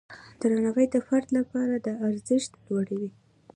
درناوی د فرد لپاره د ارزښت لوړوي.